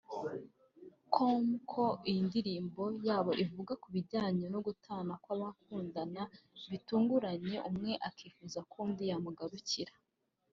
com ko iyi ndirimbo yabo ivuga ku bijyanye no gutana kw’abakundana bitunguranye umwe akifuza ko undi yamugarukira